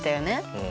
うん。